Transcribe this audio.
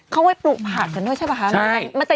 เขาไว้ปลูกผักกันด้วยใช่ป่ะคะ